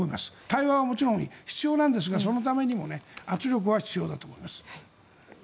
対話はもちろんいい必要なんですが、そのためにも圧力は必要だと思います。